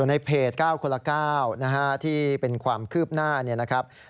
ในเพจ๙คนละ๙ที่เป็นความคืบหน้า